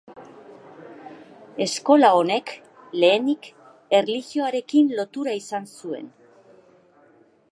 Eskola honek, lehenik, erlijioarekin lotura izan zuen.